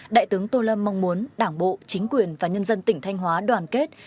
đại tướng tô lâm mong muốn đảng bộ chính quyền và nhân dân tỉnh thanh hóa đoàn kết